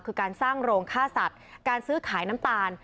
คือการสร้างโรงฆ่าสัตว์การซื้อขายน้ำตาล